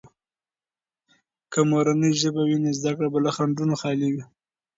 که مورنۍ ژبه وي، نو زده کړه به له خنډونو خالي وي.